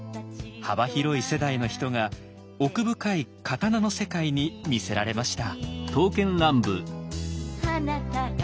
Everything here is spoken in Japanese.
幅広い世代の人が奥深い刀の世界に魅せられました。